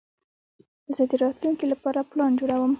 زه د راتلونکي لپاره پلان جوړوم.